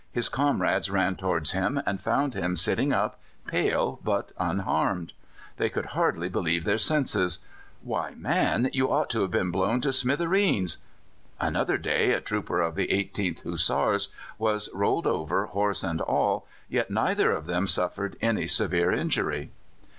his comrades ran towards him, and found him sitting up, pale, but unharmed. They could hardly believe their senses. "Why, man, you ought to have been blown to smithereens!" Another day a trooper of the 18th Hussars was rolled over, horse and all, yet neither of them suffered any severe injury.